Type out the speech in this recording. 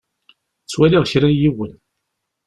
Ttwaliɣ kra n yiwen.